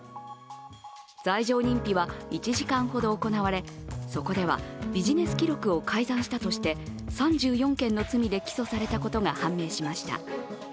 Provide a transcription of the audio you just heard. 罪状認否は１時間ほど行われそこではビジネス記録を改ざんしたとして３４件の罪で起訴されたことが判明しました。